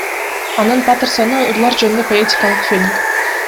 Анын Патерсону — ырлар жөнүндө поэтикалык фильм.